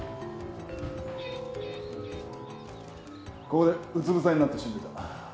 ここでうつぶせになって死んでた。